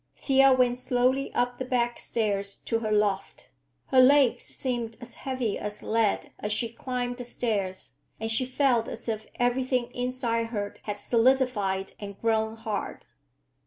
Thea went slowly up the back stairs to her loft. Her legs seemed as heavy as lead as she climbed the stairs, and she felt as if everything inside her had solidified and grown hard.